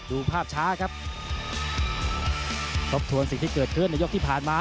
ดูภาพช้าครับทบทวนสิ่งที่เกิดขึ้นในยกที่ผ่านมา